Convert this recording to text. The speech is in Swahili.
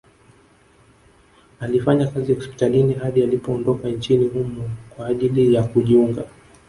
Alifanya kazi hospitalini hadi alipoondoka nchini humo kwa ajili ya kujiunga